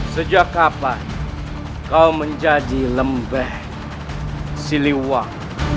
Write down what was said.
sejak kapan kau menjadi lembeh siliwang